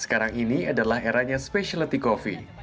sekarang ini adalah eranya specialty coffee